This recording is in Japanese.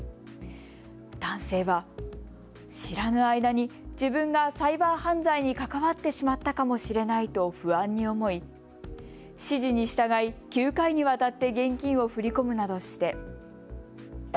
男性は知らぬ間に自分がサイバー犯罪に関わってしまったかもしれないと不安に思い指示に従い９回にわたって現金を振り込むなどして。